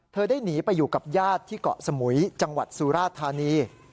ได้หนีไปอยู่กับญาติที่เกาะสมุยจังหวัดสุราธานี